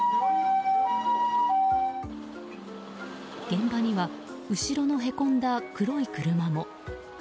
現場には後ろのへこんだ黒い車も。